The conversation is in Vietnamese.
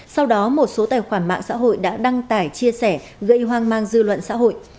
sau đó một số tài khoản mạng xã hội đã đăng tải chia sẻ gây hoang mang dư luận xã hội